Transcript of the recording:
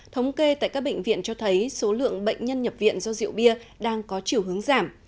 thống kê tại các bệnh viện cho thấy số lượng bệnh nhân nhập viện do rượu bia đang có chiều hướng giảm